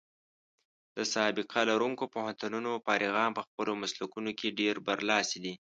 د سابقه لرونکو پوهنتونونو فارغان په خپلو مسلکونو کې ډېر برلاسي دي.